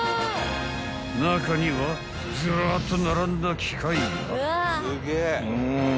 ［中にはずらっと並んだ機械が］